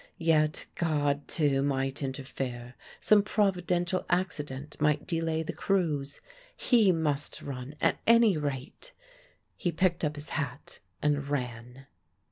Yet God, too, might interfere; some providential accident might delay the cruise. He must run, at any rate. He picked up his hat and ran.